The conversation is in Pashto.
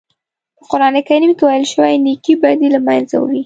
په قرآن کریم کې ویل شوي نېکۍ بدۍ له منځه وړي.